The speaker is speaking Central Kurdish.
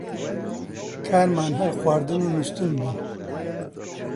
کارمان هەر خواردن و نووستن بوو